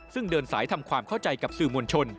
ซึ่งเดินสายทำความเข้าใจกับสื่อมวลชน